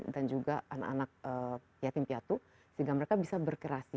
dan juga anak anak yatim yatim sehingga mereka bisa berkreasi